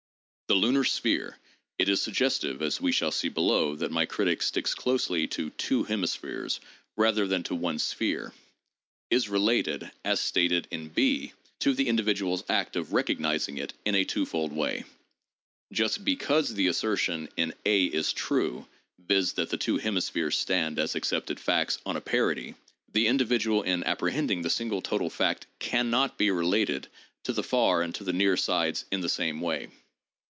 The lunar sphere (it is suggestive, as we shall see below, that my critic sticks closely to "two hemispheres" rather than to one sphere) is related— as stated in (&)— to the individual's act of recog nizing it in a twofold way. Just because the assertion in (a) is true, viz., that the two hemispheres stand as accepted facts on a parity, the individual in apprehending the single total fact can not be related to the far and to the near sides in the same way.